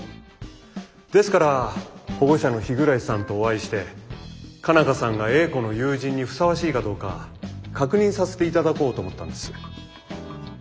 ですから保護者の日暮さんとお会いして佳奈花さんが英子の友人にふさわしいかどうか確認させて頂こうと思ったんです。